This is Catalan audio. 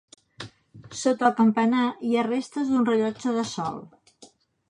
Sota el campanar hi ha restes d'un rellotge de sol.